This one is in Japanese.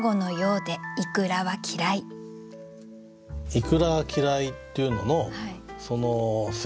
「イクラはきらい」っていうののその説明がね